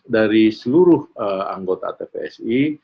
dari seluruh anggota tpsi